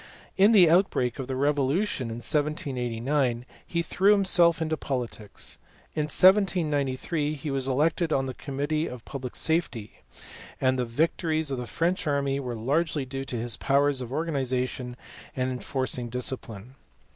On the outbreak of the revolution in 1789 he threw himself into politics. In 1793 he was elected on the committee of public safety, and the victories of the French army were largely due to his powers of organization and enforcing disci pline.